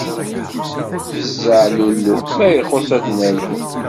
Beẓẓeε lullu, ma ixuṣ ad d-nernu.